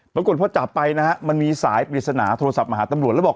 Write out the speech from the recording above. ปรากฏพอจับไปนะฮะมันมีสายปริศนาโทรศัพท์มาหาตำรวจแล้วบอก